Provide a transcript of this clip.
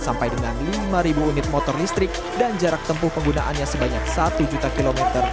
sampai dengan lima unit motor listrik dan jarak tempuh penggunaannya sebanyak satu juta km